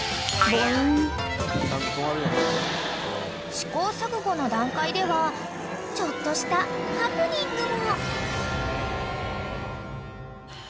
［試行錯誤の段階ではちょっとしたハプニングも］